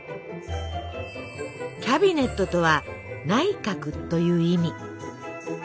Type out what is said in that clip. キャビネットとは「内閣」という意味。